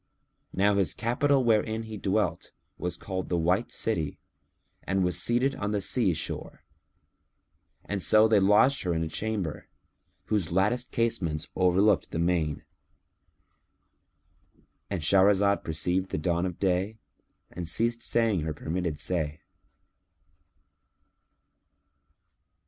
Now his capital wherein he dwelt, was called the White City and was seated on the sea shore; so they lodged her in a chamber, whose latticed casements overlooked the main.——And Shahrazad perceived the dawn of day and ceased saying her permitted say.